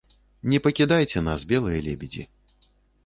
Не пакідайце нас, белыя лебедзі.